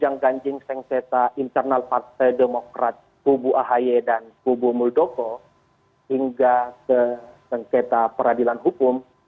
yang ganjing sengketa internal partai demokrat kubu ahy dan kubu muldoko hingga ke sengketa peradilan hukum